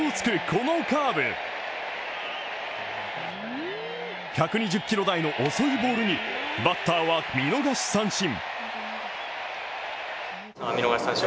このカーブで１２０キロ台の遅いボールにバッターは見逃し三振。